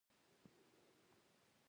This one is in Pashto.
د نورو په توپیر کومه کلا او دروازه نه لري.